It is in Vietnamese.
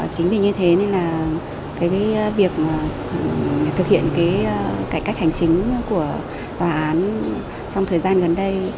chính vì như thế nên là cái việc thực hiện cải cách hành chính của tòa án trong thời gian gần đây